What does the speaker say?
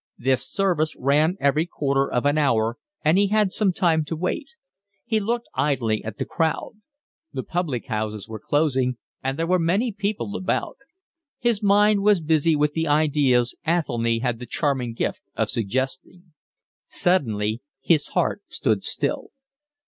This service ran every quarter of an hour, and he had some time to wait. He looked idly at the crowd. The public houses were closing, and there were many people about. His mind was busy with the ideas Athelny had the charming gift of suggesting. Suddenly his heart stood still.